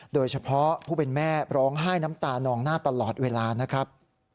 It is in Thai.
โดยเฉพาะผู้เป็นแม่ร้องไห้น้ำตานองหน้าตลอดเวลานะครับ